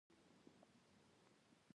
له ټول کلي یې دعوه وگټله